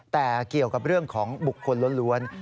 แต่เกี่ยวกับเรื่องของบุคคลล้วน